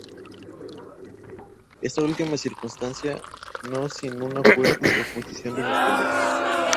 Esta última circunstancia no sin una fuerte oposición de sus colegas.